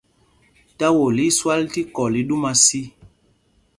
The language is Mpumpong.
Táwol í í swal tí kɔl í ɗúma sī.